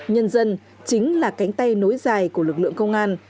nhân dân chính là cánh tay nối dài của lực lượng công an